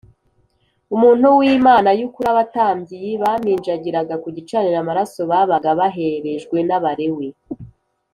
umuntu w Imana y ukuri abatambyi y baminjagiraga ku gicaniro amaraso babaga baherejwe n Abalewi